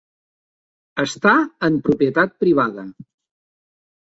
Està en propietat privada.